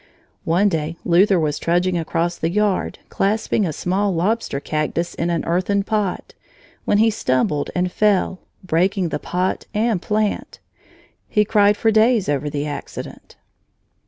One day Luther was trudging across the yard, clasping a small lobster cactus in an earthen pot, when he stumbled and fell, breaking the pot and plant. He cried for days over the accident.